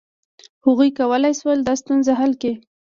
هغوی کولای شول دا ستونزه حل کړي.